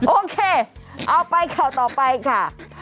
โอเคเอาไปข่าวต่อไปค่ะ